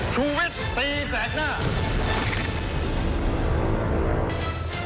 ชุวิตตีแสกหน้า